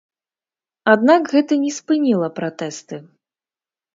Аднак, гэта не спыніла пратэсты.